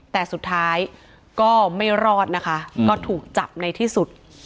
แต่สุดท้ายก็ไม่รอดนะคะก็ถูกจับในที่สุด